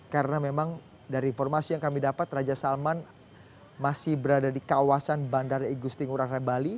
karena memang dari informasi yang kami dapat raja salman masih berada di kawasan bandara igusti kura rebali